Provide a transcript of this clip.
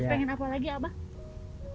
pengen apa lagi abah